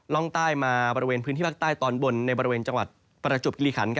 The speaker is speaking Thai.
ล่องใต้มาพื้นที่ภาคใต้ตอนบนในประเมนจังหวัดประจุบกิฤย์คัณ